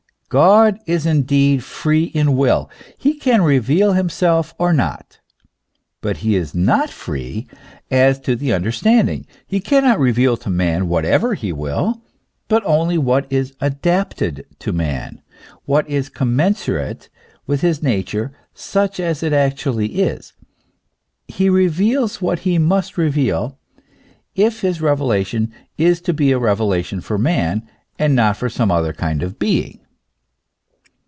God is indeed free in will ; he can reveal himself or not ; but he is not free as to the understanding ; he cannot reveal to man whatever he will, but only what is adapted to man, what is com 206 THE ESSENCE OF CHRISTIANITY. mensurate with his nature such as it actually is ; he reveals what he must reveal, if his revelation is to be a revelation for man, and not for some other kind of being.